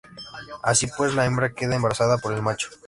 Así pues, la hembra queda embarazada por el macho.